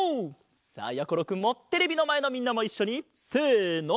さあやころくんもテレビのまえのみんなもいっしょにせの！